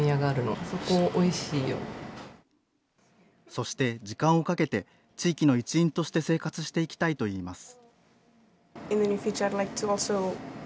そして、時間をかけて地域の一員として生活していきたいといいます。